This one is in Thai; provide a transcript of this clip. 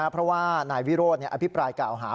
เพราะว่านายวิโรธอภิปรายกล่าวหา